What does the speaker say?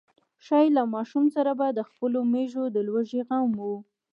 ښايي له ماشوم سره به د خپلو مېږو د لوږې غم و.